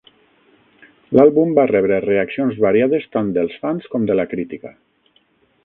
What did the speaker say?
L'àlbum va rebre reaccions variades tant dels fans com de la crítica.